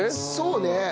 そうね。